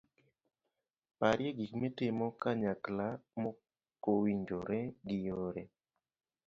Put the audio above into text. parye gik mitimo kanyakla mokowinjre gi yore